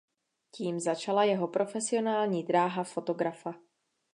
Tím začala jeho profesionální dráha fotografa.